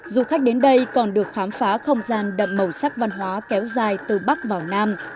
du khách đến đây còn được khám phá không gian đậm màu sắc văn hóa kéo dài từ bắc vào nam